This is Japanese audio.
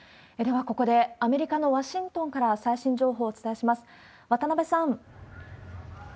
では、ここでアメリカのワシントンから最新情報をお伝えします。